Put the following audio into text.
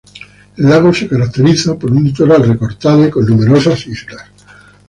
El lago se caracteriza por un litoral recortado y con numerosas islas.